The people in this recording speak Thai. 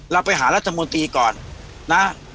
เราไปหารัฐมนตรีก่อนนะ